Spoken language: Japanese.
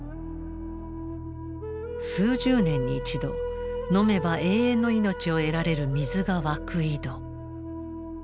数十年に一度飲めば永遠の命を得られる水が湧く井戸。